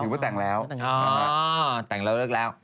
ถือว่าแต่งแล้วนะครับอ๋อแต่งแล้วเลิกแล้ว